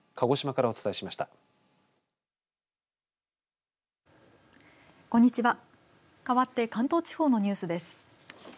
かわって関東地方のニュースです。